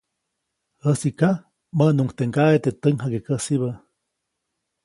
Jäsiʼka, mäʼnuʼuŋ teʼ ŋgaʼe teʼ täjkjakekäsibä.